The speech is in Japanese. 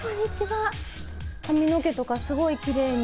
髪の毛とかすごいきれいに。